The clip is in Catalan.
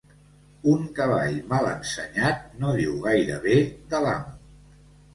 Un cavall mal ensenyat no diu gaire bé de l'amo.